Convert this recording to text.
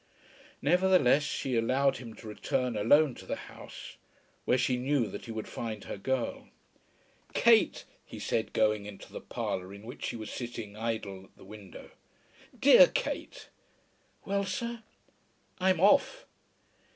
Nevertheless she allowed him to return alone to the house, where she knew that he would find her girl. "Kate," he said, going into the parlour in which she was sitting idle at the window, "dear Kate." "Well, sir?" "I'm off."